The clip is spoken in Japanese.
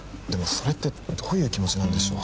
それってどういう気持ちなんでしょう？